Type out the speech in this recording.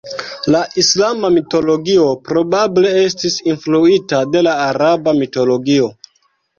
La islama mitologio probable estis influita de la araba mitologio.